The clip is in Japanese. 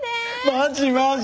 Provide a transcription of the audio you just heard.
マジマジ！